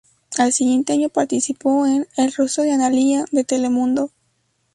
Al siguiente año participó en "El rostro de Analía" de Telemundo.